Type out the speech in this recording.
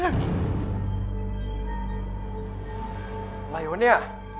อะไรวะเนี่ย